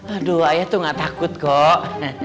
aduh ayah tuh gak takut kok